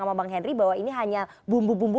sama bang henry bahwa ini hanya bumbu bumbu